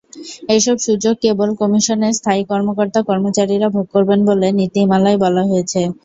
এসব সুযোগ কেবল কমিশনের স্থায়ী কর্মকর্তা-কর্মচারীরা ভোগ করবেন বলে নীতিমালায় বলা হয়েছে।